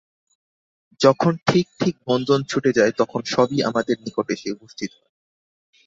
যখন ঠিক ঠিক বন্ধন ছুটে যায়, তখন সবই আমাদের নিকট এসে উপস্থিত হয়।